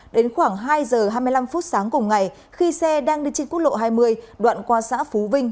đến khoảng hai giờ hai mươi năm phút sáng cùng ngày khi xe đang đi trên quốc lộ hai mươi đoạn qua xã phú vinh